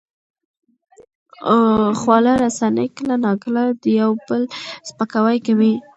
خواله رسنۍ کله ناکله د یو بل سپکاوی کوي.